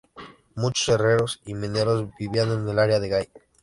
Muchos herreros y mineros vivían en el área de Gai.